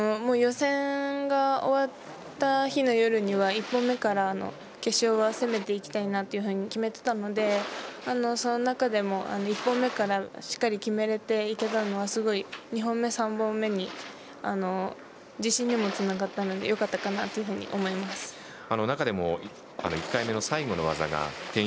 予選が終わった日の夜には１本目から決勝は攻めていきたいなというふうに決めていたのでその中でも１本目からしっかり決めれていけたのはすごい２本目、３本目に自信にもつながったのでよかったかなと中でも１回目の最後の技が１０８０